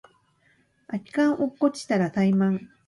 空き缶落っこちたらタイマン